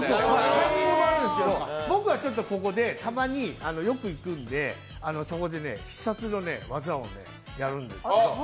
タイミングもあるんですけど僕はここによく行くのでそこで必殺の技をやるんですよ。